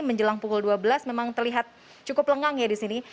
menjelang pukul dua belas memang terlihat cukup lengang ya di sini